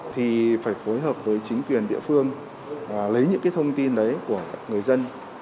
thì phải phối hợp với chính quyền địa phương lấy những cái thông tin đấy của người dân